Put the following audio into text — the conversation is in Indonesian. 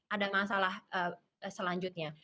ada masalah selanjutnya